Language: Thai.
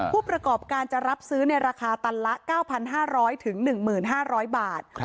ผู้ประกอบการจะรับซื้อในราคาตันละ๙๕๐๐๑๕๐๐บาท